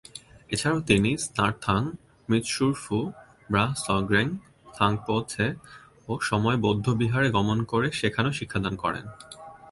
এছাড়াও তিনি স্নার-থাং, ম্ত্শুর-ফু, র্বা-স্গ্রেং, থাং-পো-ছে ও সম-য়ে বৌদ্ধবিহার গমন করে সেখানেও শিক্ষাদান করেন।